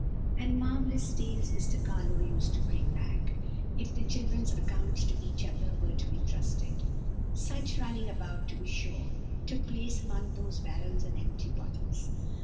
"And marvellous tales Mr. Carlo used to bring back, if the children's accounts to each other were to be trusted. Such running about, to be sure, took place among those barrels and empty bottles.